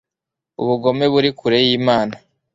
ubugome buri kure y'imana